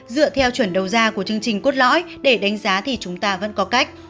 dựa theo chuẩn đầu ra của chương trình cốt lõi để đánh giá thì chúng ta vẫn có cách